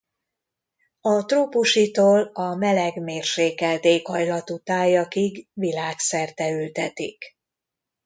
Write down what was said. A trópusitól a meleg-mérsékelt éghajlatú tájakig világszerte ültetik.